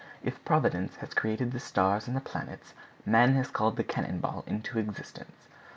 If Providence has created the stars and the planets, man has called the cannon ball into existence.